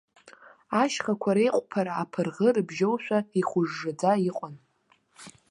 Ашьхақәа реиҟәԥара аԥырӷы рыбжьоушәа, ихәыжжаӡа иҟан.